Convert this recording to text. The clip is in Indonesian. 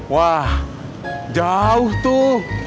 wah jauh tuh